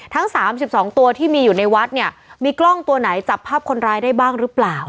ทั้ง๓๒ตัวที่มีอยู่ในวัดเนี่ยมีกล้องตัวไหนจับภาพคนร้ายได้บ้างหรือเปล่า